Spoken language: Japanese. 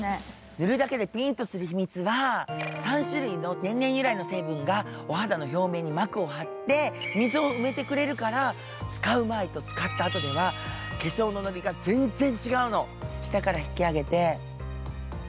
塗るだけでピーンとする秘密は、３種類の天然由来成分がお肌の表面に膜を張って溝を埋めてくれるから使う前と使ったあとでは化粧ののりが全然違うの。